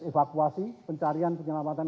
evakuasi pencarian penyelamatan